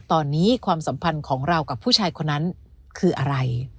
ตอนนี้ความสัมพันธ์ของเรากับผู้ชายคนนั้นคืออะไร